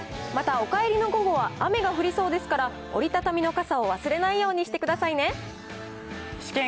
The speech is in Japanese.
またお帰りの午後は雨が降りそうですから、折り畳みの傘を忘れないようにしてくださいね。